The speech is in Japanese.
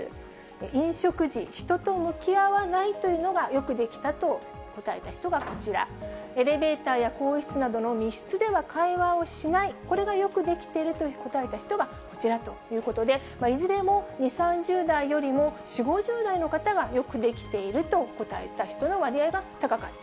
飲食時、人と向き合わないというのがよくできたと答えた人がこちら、エレベーターや更衣室などの密室では会話をしない、これがよくできていると答えた人がこちらということで、いずれも２、３０代よりも、４、５０代の方がよくできていると答えた人の割合が高かった。